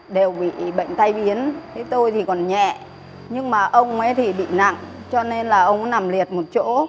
đều bị bệnh tay biến thế tôi thì còn nhẹ nhưng mà ông ấy thì bị nặng cho nên là ông cũng nằm liệt một chỗ